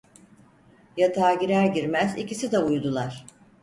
Yatağa girer girmez ikisi de uyudular.